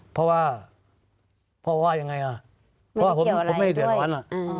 เพราะว่าพ่อว่ายังไงผมไม่เหลือสวรรค์